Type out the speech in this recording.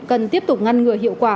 cần tiếp tục ngăn ngừa hiệu quả